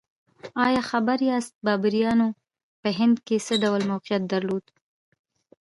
ایا خبر یاست بابریانو په هند کې څه ډول موقعیت درلود؟